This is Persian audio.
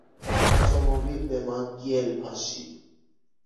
اتومبیل به ما گل پاشید.